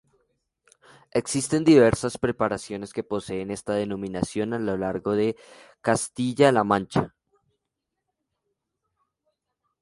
Existen diversas preparaciones que poseen esta denominación a lo largo de Castilla-La Mancha.